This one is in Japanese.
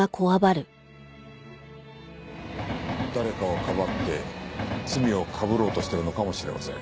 誰かをかばって罪をかぶろうとしてるのかもしれません。